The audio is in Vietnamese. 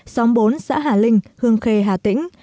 xóm bốn xã hà linh hương khê hà tĩnh